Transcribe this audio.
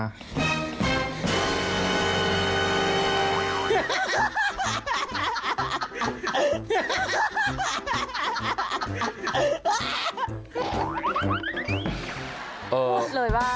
พูดเลยว่า